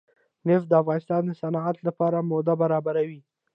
نفت د افغانستان د صنعت لپاره مواد برابروي.